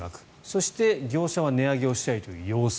そして、業者は値上げをしたいという要請。